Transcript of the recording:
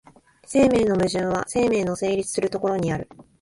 生命の矛盾は生命の成立する所にある。